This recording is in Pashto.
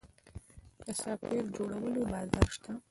د سافټویر جوړولو بازار شته؟